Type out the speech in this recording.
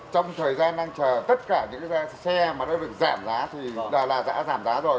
trong thời gian đang chờ tất cả những xe mà đối với giảm giá thì là giảm giá rồi